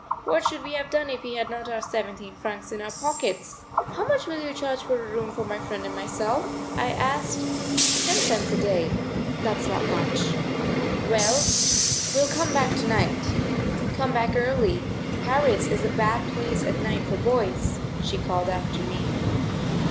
What should we have done if we had not our seventeen francs in our pockets? "How much will you charge for a room for my friend and myself?" I asked. "Ten cents a day. That's not much." "Well, we'll come back to night." "Come back early; Paris is a bad place at night for boys," she called after me.